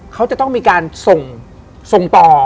เขาจะต้องมีการส่งต่อ